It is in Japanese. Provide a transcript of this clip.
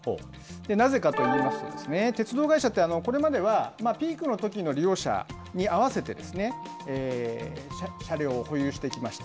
なぜかといいますと、鉄道会社ってこれまではピークのときの利用者に合わせて車両を保有してきました。